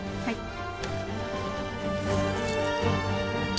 はい。